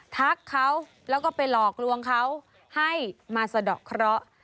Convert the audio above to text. ทักเขาแล้วก็ไปหลอกลวงเขาให้มาสะดอกเคราะห์